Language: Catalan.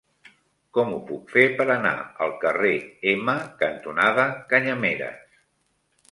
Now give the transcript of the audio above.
Com ho puc fer per anar al carrer Ema cantonada Canyameres?